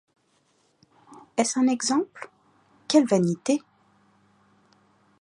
Est-ce un exemple? quelle vanité!